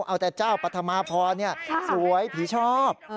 เอาแต่เจ้าปัจจัมหาพรนี่สวยผีชอบ